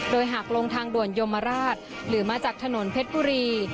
โดยหากลงทางด่วนยมราชหรือมาจากถนนเพชรบุรี